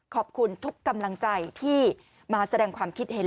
ขอบคุณทุกกำลังใจที่มาแสดงความคิดเห็น